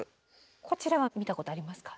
こちらは見たことありますか？